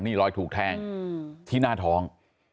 นี่รอยถูกแทงที่หน้าท้อง